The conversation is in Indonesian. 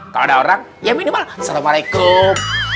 kalau ada orang ya minimal assalamualaikum